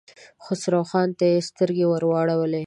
خسرو خان ته يې سترګې ور واړولې.